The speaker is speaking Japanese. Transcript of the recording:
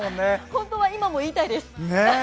本当は今も言いたいです。